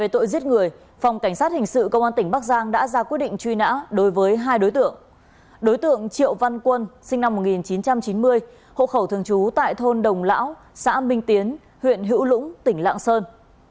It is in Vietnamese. đối tượng triệu văn quân sinh năm một nghìn chín trăm chín mươi hộ khẩu thường trú tại thôn đồng lão xã minh tiến huyện hữu lũng tỉnh lạng sơn